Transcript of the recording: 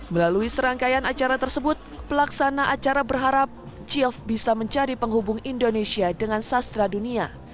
melalui serangkaian acara tersebut pelaksana acara berharap chilf bisa mencari penghubung indonesia dengan sastra dunia